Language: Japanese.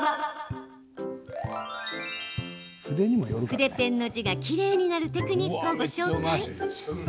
筆ペンの字がきれいになるテクニックをご紹介。